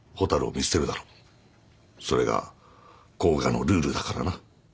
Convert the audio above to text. それが甲賀のルールだからな。